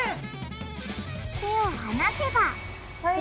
手を離せばはい。